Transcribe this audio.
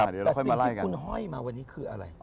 แต่สิ่งที่คุณห้อยมาวันนี้คืออะไร